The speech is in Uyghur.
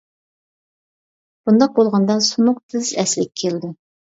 بۇنداق بولغاندا سۇنۇق تېز ئەسلىگە كېلىدۇ.